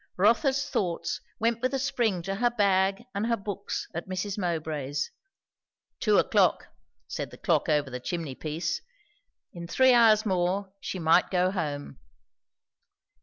Rotha's thoughts went with a spring to her bag and her books at Mrs. Mowbray's. Two o'clock, said the clock over the chimney piece. In three hours more she might go home.